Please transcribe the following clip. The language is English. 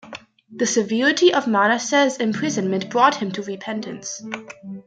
The severity of Manasseh's imprisonment brought him to repentance.